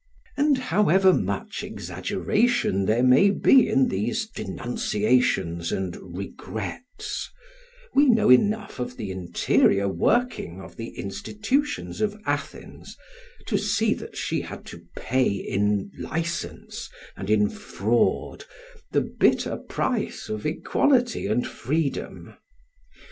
And however much exaggeration there may be in these denunciations and regrets, we know enough of the interior working of the institutions of Athens to see that she had to pay in licence and in fraud the bitter price of equality and freedom.